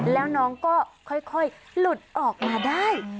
แล้วน้องก็ค่อยหลุดออกมาได้